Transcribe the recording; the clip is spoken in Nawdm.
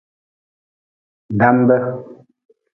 Dambe.